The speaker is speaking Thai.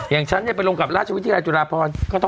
อย่างฉันไปลงกับราชวิทยาลัยจุฬาพร